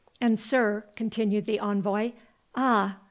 "And, sir," continued the envoy—"Ah!